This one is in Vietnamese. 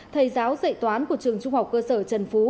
thầy giáo dạy toán của trường trung học cơ sở trần phú